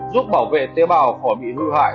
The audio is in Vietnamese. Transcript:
giúp bảo vệ tế bào khỏi bị hư hại